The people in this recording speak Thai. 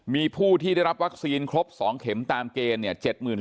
มีผู้ที่ได้รับวัคซีนครบ๒เข็มตามเกณฑ์เนี่ย